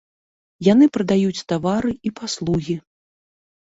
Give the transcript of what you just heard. Яны прадаюць тавары і паслугі.